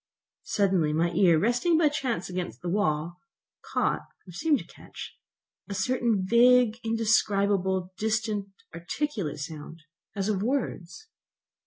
Suddenly my ear, resting by chance against the wall, caught, or seemed to catch, certain vague, indescribable, distant, articulate sounds, as of words.